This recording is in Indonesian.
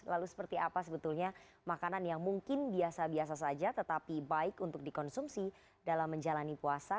lalu seperti apa sebetulnya makanan yang mungkin biasa biasa saja tetapi baik untuk dikonsumsi dalam menjalani puasa